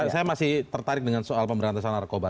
saya masih tertarik dengan soal pemberantasan narkoba